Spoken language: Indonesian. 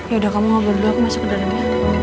yaudah kamu ngobrol dulu aku masuk ke dalamnya